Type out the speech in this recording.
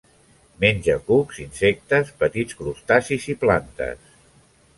Menja cucs, insectes petits, crustacis i plantes.